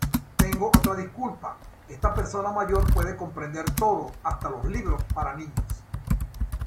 Tengo otra disculpa: esta persona mayor puede comprender todo; hasta los libros para niños.